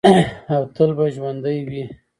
او تل به ژوندی وي.